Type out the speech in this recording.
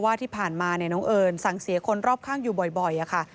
ว่าที่ผ่านมาเนี่ยน้องเอิญสั่งเสียคนรอบข้างอยู่บ่อยค่ะ